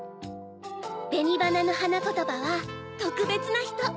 ベニバナのはなことばは「とくべつなひと」。